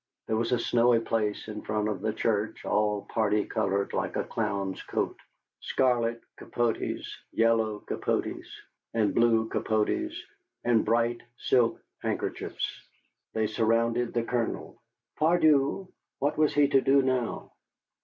There was a snowy place in front of the church all party colored like a clown's coat, scarlet capotes, yellow capotes, and blue capotes, and bright silk handkerchiefs. They surrounded the Colonel. Pardieu, what was he to do now?